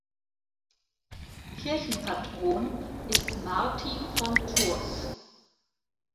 Kirchenpatron ist Martin von Tours.